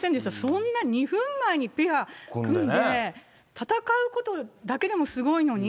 そんな２分前にペア組んで、戦うことだけでもすごいのに。